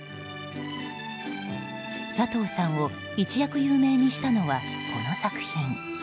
佐藤さんを一躍有名にしたのはこの作品。